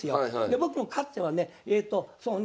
僕もかつてはねそうね